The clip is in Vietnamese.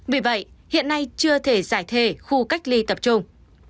vì vậy hiện nay chưa thể giải thề khu cách ly tập trung